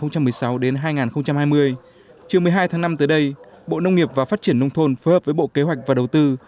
chiều một mươi hai tháng năm tới đây bộ nông nghiệp và phát triển nông thôn phối hợp với bộ kế hoạch và đầu tư